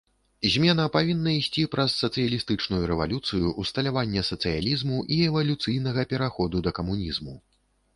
Змена павінна ісці праз сацыялістычную рэвалюцыю, усталяванне сацыялізму і эвалюцыйнага пераходу да камунізму.